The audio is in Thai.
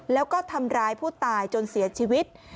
แล้วก็ทำร้ายผู้ตายจนเสียชีวิต